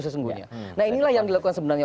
sesungguhnya nah inilah yang dilakukan sebenarnya